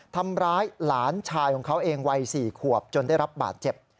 ทำร้ายหลานชายของเขาเองวัย๔ขวบจนได้รับบาดเจ็บ